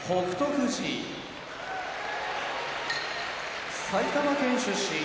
富士埼玉県出身